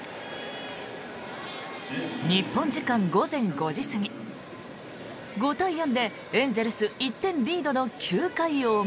日本時間午前５時過ぎ５対４でエンゼルス１点リードの９回表。